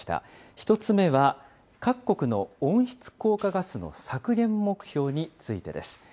１つ目は各国の温室効果ガスの削減目標についてです。